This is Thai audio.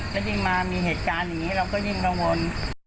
แล้วยิ่งมามีเหตุการณ์อย่างนี้เราก็ยิ่งกังวล